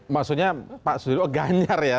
maksudnya pak sudiru oh ganjar ya